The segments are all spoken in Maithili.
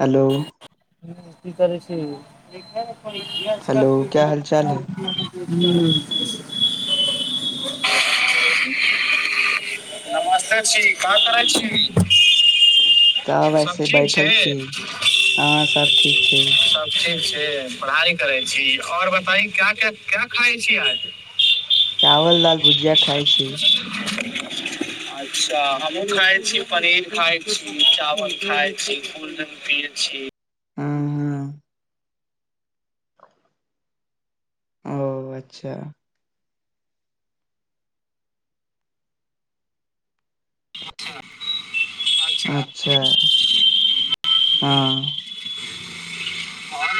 हेलो। [unintelligible] ह की करै छी। [unintelligible] को क अजकल। [unintelligible] नमस्ते छी कह करै छी। [unintelligible] [unintelligible] तऽ वैसे बैठल छी। हँ सब ठीक छै। [unintelligible] पढ़ाइ करै छी ओर बताकी- की खाइ छी आई। चावल दाल भुजिया खइ छी। [unintelligible] अच्छा हमहुँ खााय छी पनीर खााय छी चावल खााय छी फूल। पी छी। [unintelligible] हँ- हँ। [unintelligible] ओ अच्छा। [unintelligible] अच्छा [unintelligible] हँ।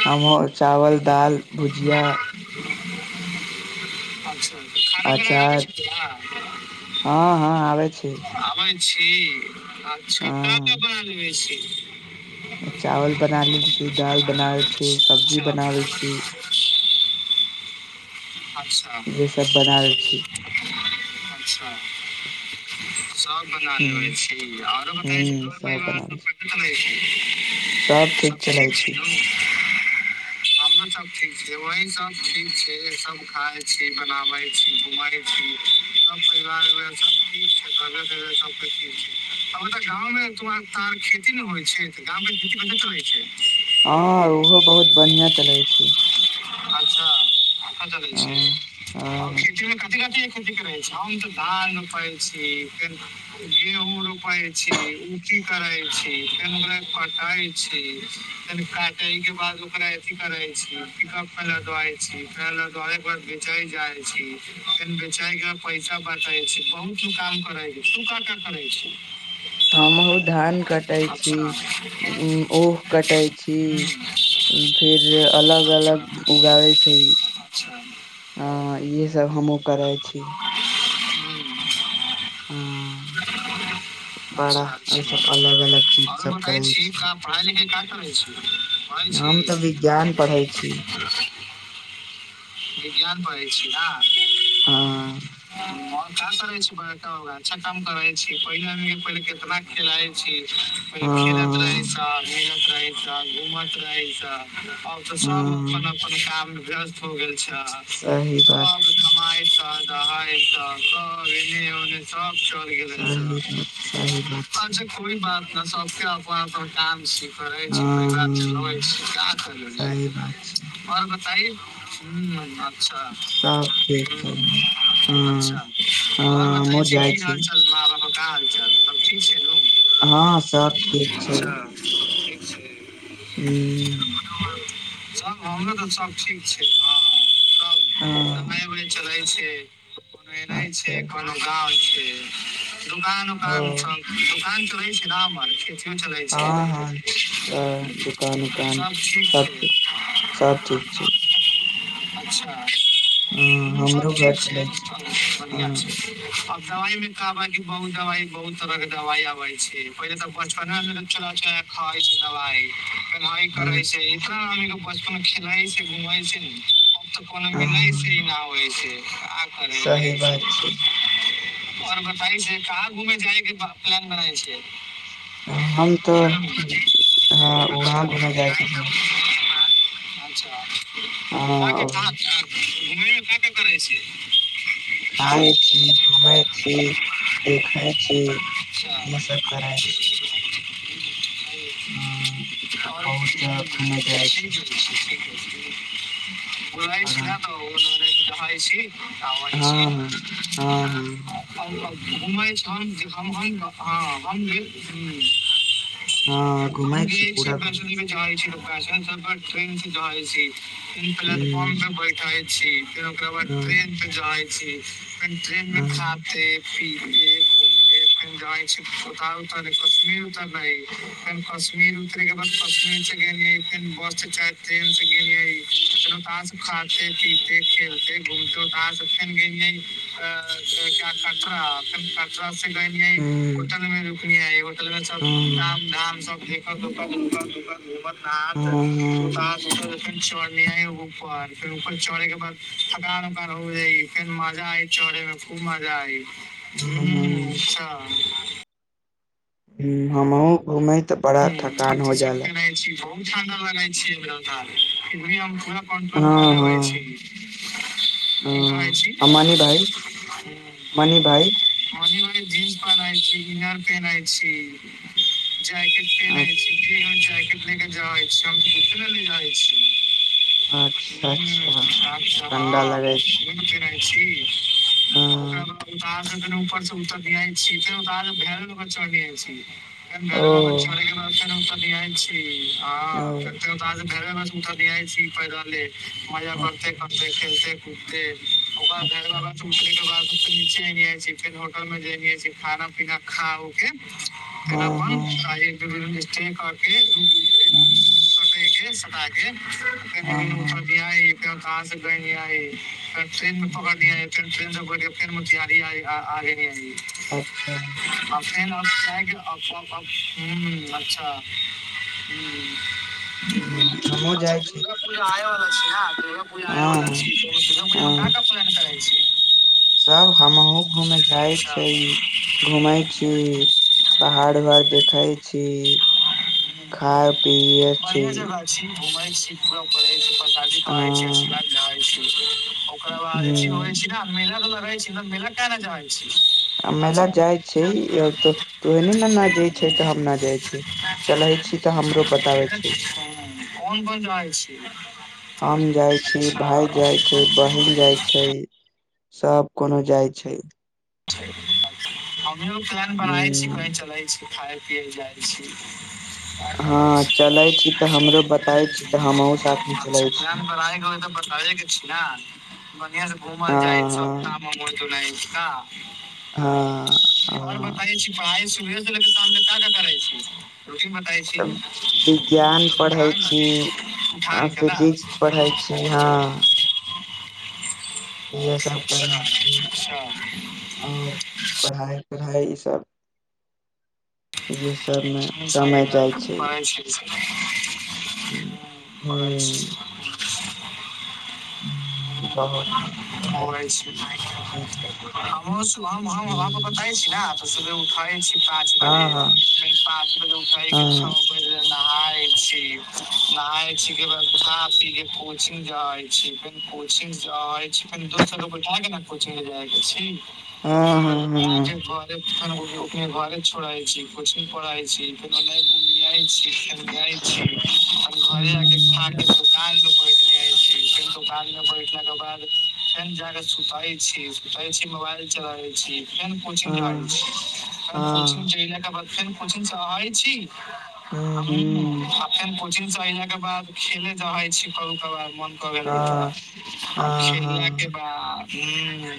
हमहूँ चावल दालि भुजिया। [unintelligible] अचार। [unintelligible] हँ। [unintelligible] हँ -हँ आबै छी। [unintelligible] प्षी। [unintelligible] अच्छा कटाा बना लबे छी। [unintelligible] हं। [unintelligible] चावल बना ल छी दाल बना ल छी सब्जी बना ल छी इ [unintelligible] हे सब बना ल छी। अच्छा। [unintelligible] सात। [unintelligible] बना लेब छी आरो बता छी घ परिवार सब रहै छी [unintelligible] सबठ छीौ। हमर सब ठीक छै वह सब ठ छै सब खााय छी बनावे छी घु छी सब परिवारव सब ठ छै। सब छै तऽ गाँवमेो त खेती ने होइ छै गाँवमे खेती करे करै छै। [unintelligible] हँ ओहो बहुत बढ़िआँ चलैत छै। [unintelligible] अच्छा। [unintelligible] [unintelligible] खै छै आ ख काट -काट। अपने की करै छी? हम तऽ धान रोपै छी फेर गेहूँ रोपै छी खेती करै छी फेर ओकरा कटै छी फिर काटे के बाद ओकरा अथी करै छी। पिकप पर लदई छी फेर लदई के बाद बेचै जाइ छी फेर बेचे के बाद पैसा बांटै छी बहुत काम करै छी। तु का करऽ तारे? हमहूँ धान कटैत छी ओह कटैत छी फेर अलग अलग उगाबै छी हँ इहे सब हमहुँ करै छी। अच्छा- अच्छा आओर बताै छी पढ़ाइ लिखाइ क करै छी पढ़ै छी। [unintelligible] [unintelligible] विज्ञान पै छी आहां। ह का करै छी [unintelligible] अच्छा काम करै छी पहिले पहि केतना खेलइ छी। पहिले खेलत रहै सब मिलत रहै। हमेशा घुमत रहै छह। आब तऽ शाम अपन-अपन काम में व्यस्त हो गेल छह? सब कमाइ [unintelligible] रहै छह‌ सब एनी ओनी सब चल गेल स अच्छा कोई बात न। सबके अपन-अपन काम छै। रहै छी परिवार चलबै छी। का कर लेलये? आओर बताइ ह अच्छा अच्छा आओर बताइ छी की हाल चाल? का हाल चाल? सब ठीक छै। से ह आ हँ हमरो तऽ सब ठीक छै ह। सब दवाई उबाय चलै छै। [unintelligible] कोनो एनाइ छै? कोनो गाँव छै? ह दुकान उकान छह की? दुकान छ [unintelligible] अथीयो चलै छै। सब ठीक छै। ठीक छै। अच्छा ह सब ठीक छै सब बढ़िआँ छै। दवाई मे कह बहुत दवाई बहुत तरह के दवाई आबे छै पहिले त ब मे च खे छै दवाई। म कर छै इ। म खेला हस घुममा हस न। तऽ कोनो मिलै छै ह न होै छै आ कर ल जाइ छै आओर बता छै काज? घुमै जाएके प्लान बनाय छी। हम तऽ वहाँ घूमय जायके छै। अच्छा। अ। क क करइ छै। ह। ह बहुत जगह घूमे जाइ छै। गलाइ ख त ओ। कहाँइस। आामान छै। मुमबइ स् ह।। हम गै छी वसमे जा छल। भाषन सब। ट्रेन सटइ छी। तीन प्लेटफॉर्म पे बैठे छी फे ओकरा बाद ट्रेन पे जा। जी। कमे खे फी। तर कश्मीर उतरे कश्मीर उतरे के बाद कशीरे बस। े ग फ त सु खे पीते खेलते घूमते उ त फर गई कट फ क। गाय ल कोतल मे र। नय। सब काम धाम सब। ह घूम। ह त। ओ त। चढ़नी आय ऊपर फेर ऊपर चढ़े के बाद ठकार उकार हो जाइ फेर मजा आई चढ़े में खूब मजा आई। हू अच्छा। ह हम ओ। ह की सक्य नहि छी भ। हम पूरा। [unintelligible] कट्रोल क लबै छै ठ कहै छी। [unintelligible] जीन्स पहनाइ छी किनान पेनाइ छी। [unintelligible] अच्छा। जा हम क नहि जा छी। अच्छा अच्छा ठण्डा लगै छै। सी। [unintelligible] क। [unintelligible] ऊपर से उतर जाइ छी फेरर चल छै। [unintelligible] [unintelligible] रत। [unintelligible] छै। [unintelligible] ह फर फर। [unintelligible] ठ दिय सी फायदा ले। [unintelligible] मजा करते -करते खेलते। कुते। [unintelligible] ओक घर अगर उसरे तऽ ब। [unintelligible] छी फर होटल में जे छी खाना- पीना खा उ के। हँ हँ। [unintelligible] आ। [unintelligible] ठेक के। [unintelligible] ह्मं। [unintelligible] से। [unintelligible] त नी त ग ह। [unintelligible] त कहाँासै ह ह। [unintelligible] ्रेन मे पकड़लय्रेन। [unintelligible] मी। [unintelligible] ी अपने। [unintelligible] आ। [unintelligible] हू अच्छा ह। [unintelligible] ह हमो जाइ छै। [unintelligible] छै। [unintelligible] आय क प्लान कर छै। [unintelligible] [unintelligible] सब हमहुँ घूमे जाय छै, घूमे छी, पहाड़ उहाड़ देख खई छी खाय, पियए छी। घुमै शिव फू करड़ै। [unintelligible] ीइ छैीादइ छै। [unintelligible] ओकरा बादसी हो सीध मेल ल। भई चिलो मेला काहेला जवाई अचछा। चलै छी तऽ हमरो बताबै छी, हम जाइ छी, भाई जाइ छै, बहिन जाइ छै। सभ कोनो जाइ छै। [unintelligible] न्यू प्लान बनाई छी कही चलाइ छी। खााय पियए जाइ छी। अच्छा, प्लेन बनाई गाएल त बताबेके छी न, बढ़िआ से घूमल जाइ सब। [unintelligible] का आओर बताइ छी, पढ़ाई सुबीर का का करे छै रुी बताइ छी ऊ का कहले छी उठान के न अच्छा, अच्छा। है ई सब इएह सभमे समय जाइ छै। [unintelligible] ह्म्म, प। [unintelligible] [unintelligible] हमहु हम, हम बताई छी न। सुबहे उठै छी पा फिन पाँच बजे उठै के छओ बजे नहााय छी, नहााय छी के बाद खा पी के पूज कोचिंग जई छी, फिन कोचिंग से आई से दोस्त लोग बैठा के ने कोचिंग जाई छी। ओकर आ के घरे ओकर के घरे छोड़ाई छी। कोचिंग पढ़ाइ छी, फिर ओने घुमआइ छी। गाई छी, आ घरे जा के खा के दुकान मे बैठली फेन दुकान मे बैठने के बाद फेन जा क सुतै छी, सुतै छी, मोबाइल चलाबै छी। कोन कोचिंग जाइ छी? कोचंग खेला के बाद हम कोचिंग से आबै छी आ फिन कोचिंग से पहिला के बाद खेले जवाई छी कभी कभार मन भ गेलै त, आ खेला के बाद हुं।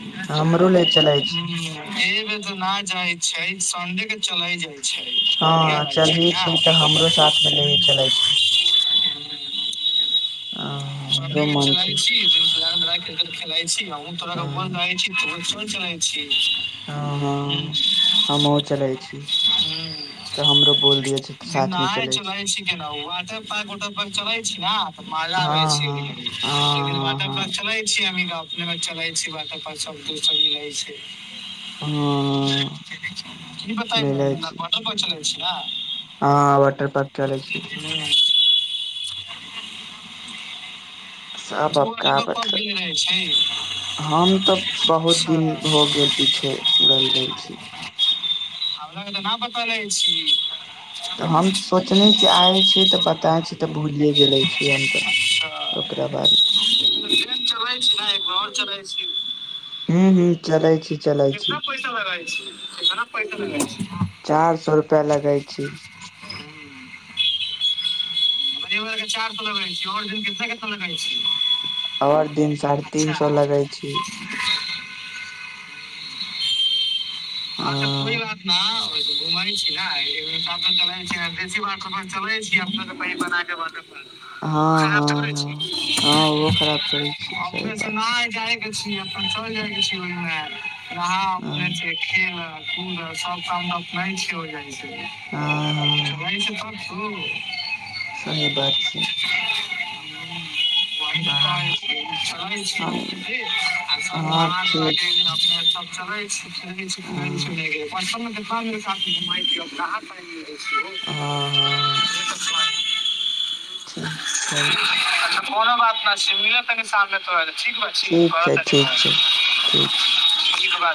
[unintelligible] सोमवार जाइ छै, संडे के चलल जाइ छै। हां, चलही छी त हमरो साथमे ले ही चलै छी। संडे के खेलाइ छी, [unintelligible] होइत रहै छै। हां हां, हमहुं चलै छी, त हमरो बोल दियै छी त साथ मे चलै छी। हां। चलि गेलियै। एक दिन वाटर पार्क चलै छी हम सब। अपने मे चलै छै वाटर पार्क सब दूर सब रहै छै इ बताइ न वाटर पार्क चलै छी। [unintelligible] हां, वाटर पार्क चलै छी। [unintelligible] सब बड़का पथर। हम त बहुत दिन भ गेल पीछे गेल रहल छी हमरा के त नै बताबै छी। त हम त सोचने कि आए छी त बताए छी त भुलिये गेले छी हम त, ओकरा बाद। [unintelligible] घर चलइ छी। हुं हुं, चलै छी चलै छी। केतना पैसा लगै छै। चार सौ रुपया लगै छी। रवि दिन के चार सौ लगै छी और दिन के केतना लगै छी। और दिन साढ़े तीन सौ लगै छी। अच्छा कोई बात ना। घूम छी ने साल छीशी चले छी अप के पैघ बना के ब। हँ- हँ- हँ- हँ ओहो खराब थोड़े छै सही बात छै। [unintelligible] कि अपनस जाइ कस होहिमे। [unintelligible] ह छै। [unintelligible] [unintelligible] [unintelligible] हुं। [unintelligible] अा। [unintelligible] ब। [unintelligible] साथ घुमाया पर। [unintelligible] हँ- हँ। [unintelligible] ठीक छै [unintelligible] बात तऽ। समिल तनी सामने तो आे। [unintelligible] ठीक छी कर त। [unintelligible]